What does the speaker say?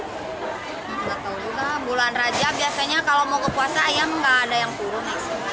kita tahu juga bulan raja biasanya kalau mau ke puasa ayam gak ada yang turun